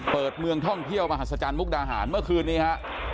เมืองท่องเที่ยวมหัศจรรมุกดาหารเมื่อคืนนี้ฮะ